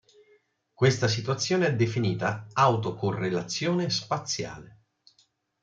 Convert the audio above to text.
Questa situazione è definita autocorrelazione spaziale.